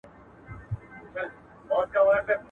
o انسان ته خبره، خره ته لرگى.